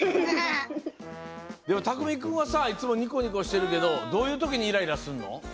でもたくみくんはさいつもニコニコしてるけどどういうときにイライラすんの？